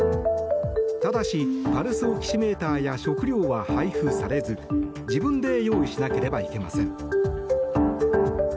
ただしパルスオキシメーターや食料は配布されず自分で用意しなければいけません。